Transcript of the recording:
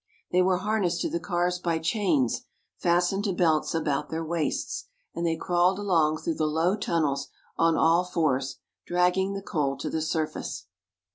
They were harnessed to Coal Miners at Work. the cars by chains fastened to belts about their waists, and they crawled along through the low tunnels on all fours, dragging the coal to the surface.